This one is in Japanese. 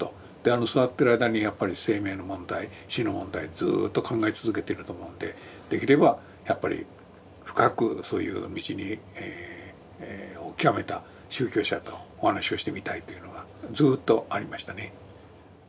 座ってる間にやっぱり生命の問題死の問題ずっと考え続けてると思うんでできればやっぱり深くそういう道を究めた宗教者とお話をしてみたいというのがずっとありましたね。